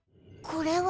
これは。